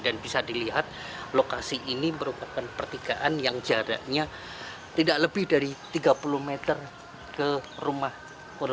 dan bisa dilihat lokasi ini merupakan pertigaan yang jaraknya tidak lebih dari tiga puluh meter